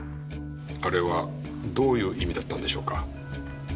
あれはどういう意味だったんでしょうか？